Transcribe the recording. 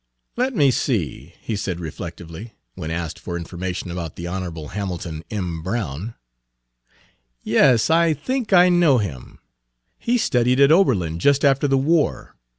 "Let me see," he said reflectively, when asked for information about the Honorable Hamilton M. Brown. "Yes, I think I know him. He studied at Oberlin just after the war.